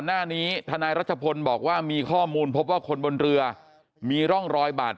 หน้านี้ทนายรัชพลบอกว่ามีข้อมูลพบว่าคนบนเรือมีร่องรอยบาด